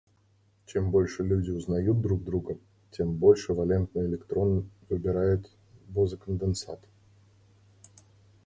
Чем больше люди узнают друг друга, тем больше валентный электрон выбирает бозе-конденсат.